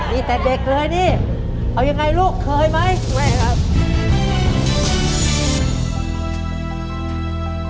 มีแต่เด็กเลยนี่เอายังไงลูกเคยไหมไม่ครับ